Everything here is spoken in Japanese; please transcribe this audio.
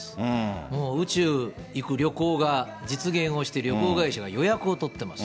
もう宇宙行く旅行が実現をして、旅行会社が予約を取ってます。